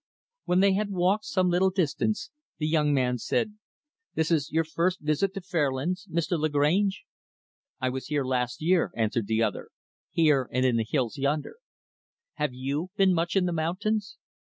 When they had walked some little distance, the young man said, "This is your first visit to Fairlands, Mr. Lagrange?" "I was here last year" answered the other "here and in the hills yonder. Have you been much in the mountains?"